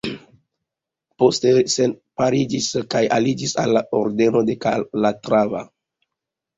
Poste separiĝis kaj aliĝis al la Ordeno de Kalatrava.